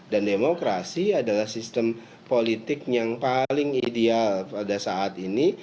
dan demokrasi adalah sistem politik yang paling ideal pada saat ini